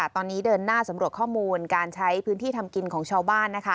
ตอนนี้เดินหน้าสำรวจข้อมูลการใช้พื้นที่ทำกินของชาวบ้าน